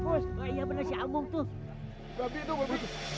hai mbak ya bener si almo tuh tapi tuh